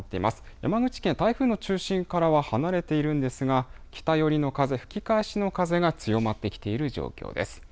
山口県、台風の中心からは離れているんですが北寄りの風、吹き返しの風が強まってきている状況です。